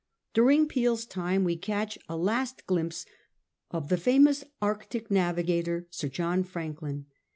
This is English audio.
]>uring Peel's time we catch a last glimpse of the famous Arctic navigator, Sir John Franklin.